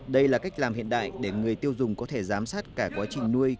đây là cách làm hiện đại để người tiêu dùng có thể giám sát cả quá trình nuôi